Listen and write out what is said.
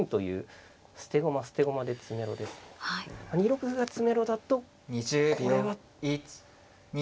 ２六歩が詰めろだとこれは。